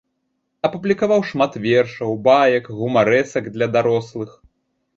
Апублікаваў шмат вершаў, баек, гумарэсак для дарослых.